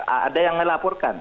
ada yang melaporkan